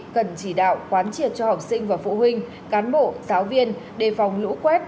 cần chỉ đạo quán triệt cho học sinh và phụ huynh cán bộ giáo viên đề phòng lũ quét